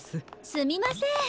すみません。